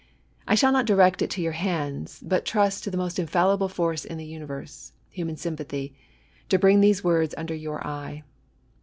I shall not direct it to your hands, but trust to the most infallible force in the universe, — human sympathy, — ^to bring these words under your eye.